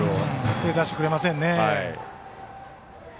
手、出してくれませんね。